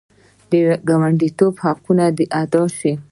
د ګاونډیتوب حقونه دې ادا شي.